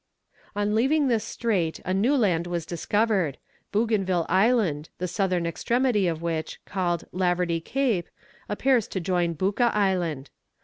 On leaving this strait a new land was discovered Bougainville Island, the southern extremity of which, called Laverdy Cape, appears to join Bouka Island.